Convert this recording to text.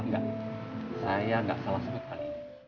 nggak saya nggak salah sebutkan